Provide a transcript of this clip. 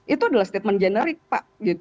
itu adalah statement generik pak